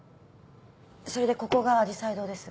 それでここが紫陽花堂です。